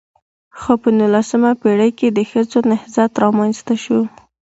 خو په نولسمه پېړۍ کې د ښځو نضهت رامنځته شو .